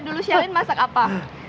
dulu celine masak apa